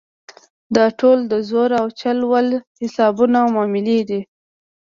دا ټول د زور او چل ول حسابونه او معاملې دي.